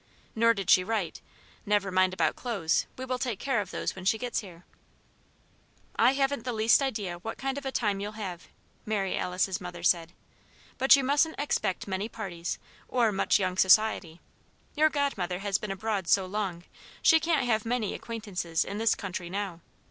Nor did she write: Never mind about clothes; we will take care of those when she gets here. "I haven't the least idea what kind of a time you'll have," Mary Alice's mother said, "but you mustn't expect many parties or much young society. Your godmother has been abroad so long, she can't have many acquaintances in this country now.